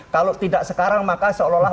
kalau tidak sekarang maka seolah olah